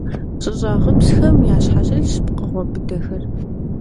ЩӀыщӀагъыпсхэм ящхьэщылъщ пкъыгъуэ быдэхэр.